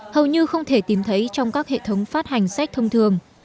hầu như không thể tìm thấy trong các hệ thống phát hành sách thông thường